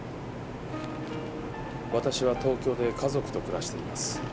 私は東京で家族と暮らしています。